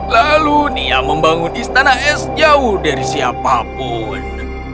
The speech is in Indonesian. lalu nia membangun istana es jauh dari siapapun